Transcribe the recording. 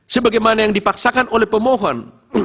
sebagaimana yang dipaksakan oleh pemohon